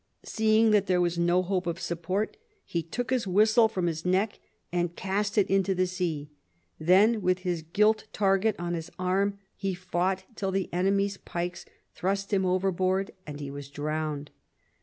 Seeing that there was no hope of support, he took his whistle from his neck and cast it into the sea ; then with his gilt target on his arm he fought tiU the enemy's pikes thrust him overboard and he was drowned.